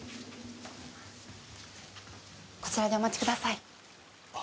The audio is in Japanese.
こちらでお待ちください。